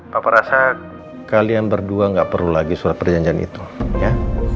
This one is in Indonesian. papa rasa kalian berdua nggak perlu lagi surat perjanjian itu ya